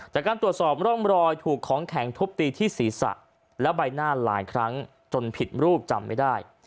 จากการตรวจสอบร่องรอยถูกของแข็งทุบตีที่ศีรษะและใบหน้าหลายครั้งจนผิดรูปจำไม่ได้